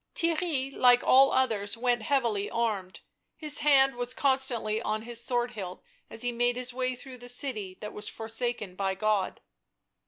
Theirry, like all others, went heavily armed; his hand was constantly on his sword hilt as he made his way through the city that was forsaken by God.